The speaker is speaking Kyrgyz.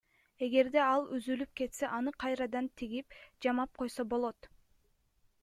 Эгерде ал үзүлүп кетсе аны кайрадан тигип, жамап койсо болот.